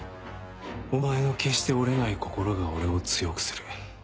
お前の決して折れない心が俺を強くする。